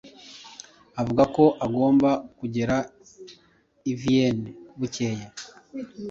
Avuga ko agomba kugera i Vienne bukeye.